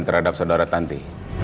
terhadap saudara tanti